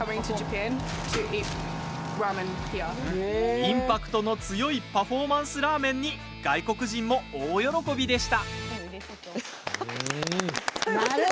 インパクトの強いパフォーマンスラーメンに外国人も大喜びでした。